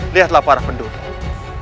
lihatlah para penduduk